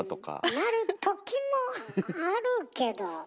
なるときもあるけど。